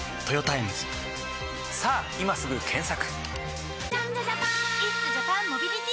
さぁ今すぐ検索！